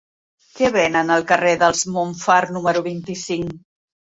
Què venen al carrer dels Montfar número vint-i-cinc?